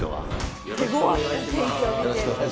よろしくお願いします。